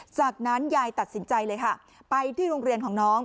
จากนั้นยายตัดสินใจเลยค่ะไปที่โรงเรียนของน้อง